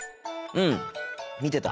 うん見てた。